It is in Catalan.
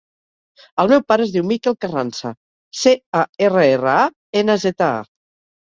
El meu pare es diu Mikel Carranza: ce, a, erra, erra, a, ena, zeta, a.